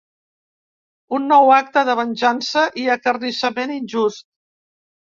Un nou acte de venjança i acarnissament injust.